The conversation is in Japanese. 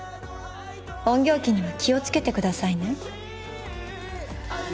隠形鬼には気を付けてくださいね